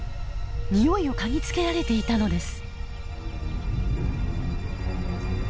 においを嗅ぎつけられていたのです。